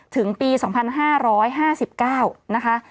ถึงปี๒๕๕๙นะคะ